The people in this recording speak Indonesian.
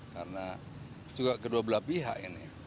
karena juga kedua belah pihak ini